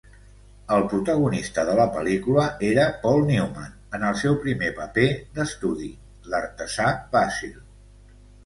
El protagonista de la pel·lícula era Paul Newman, en el seu primer paper d'estudi, l'artesà Basil.